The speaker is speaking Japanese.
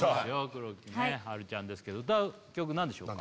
黒木華ちゃんですけど歌う曲何でしょうか？